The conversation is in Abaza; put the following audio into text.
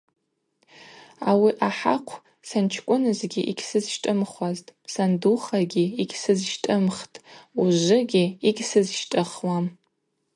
Ауи ахӏахъв санчкӏвынызгьи йгьсызщтӏымхуазтӏ, сандухагьи йгьсызщтӏымхтӏ, ужвыгьи йгьсызщтӏыхуам.